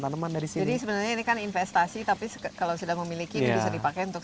tanaman dari sini sebenarnya ini kan investasi tapi kalau sudah memiliki itu bisa dipakai untuk